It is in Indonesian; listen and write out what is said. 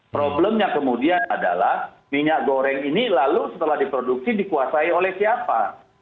problemnya kemudian adalah minyak goreng ini lalu setelah diproduksi dikuasai oleh siapa